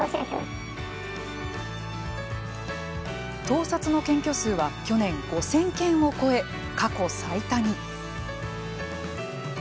盗撮の検挙数は去年５０００件を超え過去最多に。